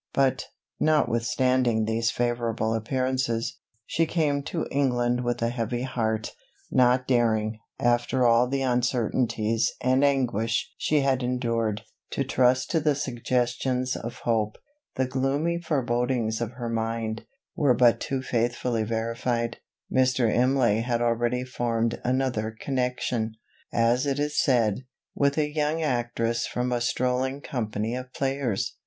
But, notwithstanding these favourable appearances, she came to England with a heavy heart, not daring, after all the uncertainties and anguish she had endured, to trust to the suggestions of hope. The gloomy forebodings of her mind, were but too faithfully verified. Mr. Imlay had already formed another connexion; as it is said, with a young actress from a strolling company of players.